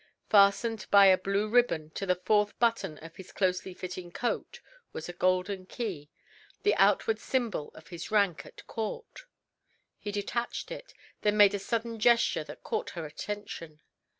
Fastened by a blue ribbon to the fourth button of his closely fitting coat was a golden key, the outward symbol of his rank at court. He detached it, then made a sudden gesture that caught her attention.